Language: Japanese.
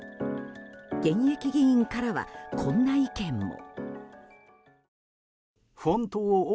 現役議員からは、こんな意見も。